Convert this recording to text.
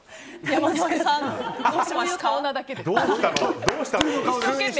山添さん、どうしました？